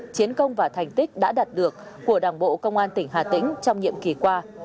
chiến công và thành tích đã đạt được của đảng bộ công an tỉnh hà tĩnh trong nhiệm kỳ qua